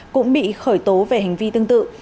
cũng bị khởi tố về hành vi tương tự